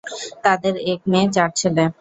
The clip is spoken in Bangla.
তাদের এক মেয়ে, চার ছেলে।